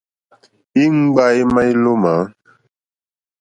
Íŋɡbâ émá ílómǎ.